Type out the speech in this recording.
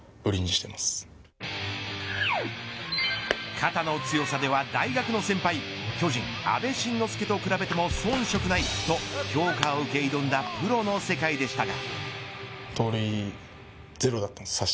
肩の強さでは大学の先輩巨人、阿部慎之助と比べても遜色ないと評価を受け挑んだプロの世界でしたが。